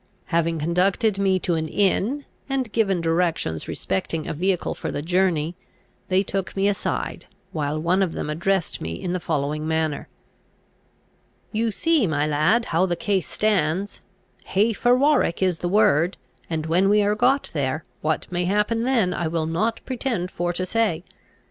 Having conducted me to an inn, and given directions respecting a vehicle for the journey, they took me aside, while one of them addressed me in the following manner: "You see, my lad, how the case stands: hey for Warwick is the word I and when we are got there, what may happen then I will not pretend for to say.